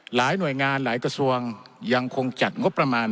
หลายหน่วยงานหลายกระทรวงยังคงจัดงบประมาณ